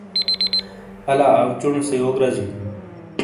الا آؤ چونو سے یوک رزیوں۔